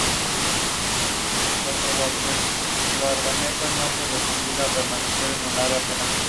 Por otro lado, algunos articulistas encontraron problemas en la narrativa de "El rey león".